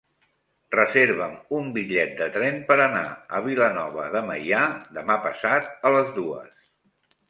Reserva'm un bitllet de tren per anar a Vilanova de Meià demà passat a les dues.